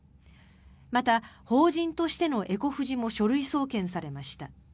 また、法人としてのエコフジも書類送検されました。